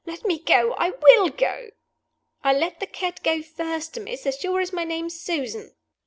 Let me go! I will go!" "I'll let the cat go first, Miss, as sure as my name's Susan!"